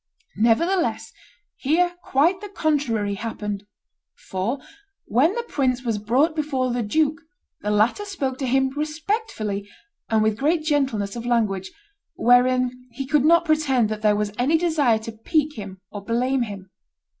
Nevertheless here quite the contrary happened: for, when the prince was brought before the duke, the latter spoke to him respectfully and with great gentleness of language, wherein he could not pretend that there was any desire to pique him or blame him.